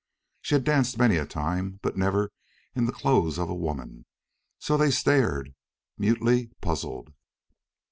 She had danced many a time, but never in the clothes of a woman; so they stared, mutely puzzled.